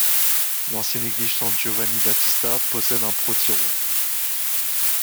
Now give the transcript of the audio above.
L'ancienne église San Giovanni Battista possède un protiro.